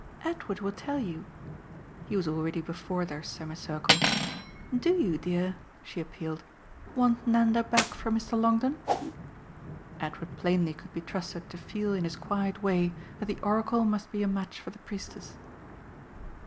"Edward will tell you." He was already before their semicircle. "DO you, dear," she appealed, "want Nanda back from Mr. Longdon?" Edward plainly could be trusted to feel in his quiet way that the oracle must be a match for the priestess.